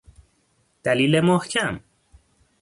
دلیل محکم